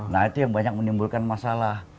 nah itu yang banyak menimbulkan masalah